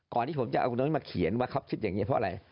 ก่อนที่ผมจะเอาคุณมาเขียนว่าเขาคิดอย่างนี้เพราะอะไร